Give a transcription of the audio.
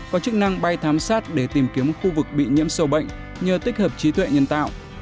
có chức năng bay thám sát để tìm kiếm khu vực bị nhiễm sâu bệnh nhờ tích hợp trí tuệ nhân tạo